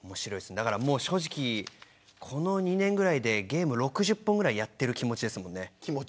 正直この２年ぐらいでゲーム６０本ぐらいやっている気持ちです。